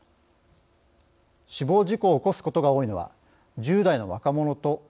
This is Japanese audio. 死亡事故を起こすことが多いのは１０代の若者と高齢者です。